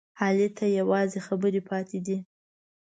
علي ته یوازې خبرې پاتې دي.